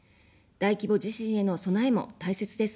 大規模地震への備えも大切です。